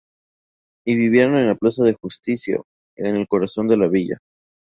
Y vivieron en la plaza de Justicia, en el corazón de la villa.